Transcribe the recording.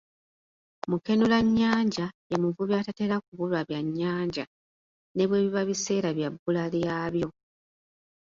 "Mukenulannyanja ye muvubi atatera kubulwa byannyanja, ne bwe biba biseera bya bbula lyabyo."